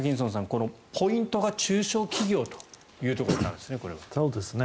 このポイントが中小企業というところですね。